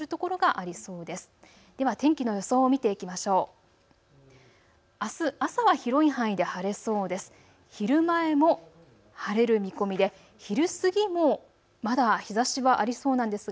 あす朝は広い範囲で晴れそうです。